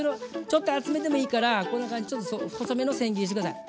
ちょっと厚めでもいいからこんな感じでちょっと細めのせん切りにして下さい。